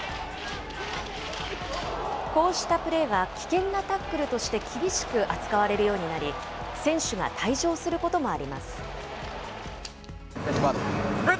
こうしたプレーは危険なタックルとして、厳しく扱われるようになり、選手が退場することもあります。